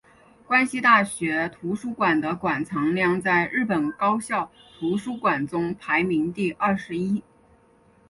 关西大学图书馆的馆藏量在日本高校图书馆中排名第二十一。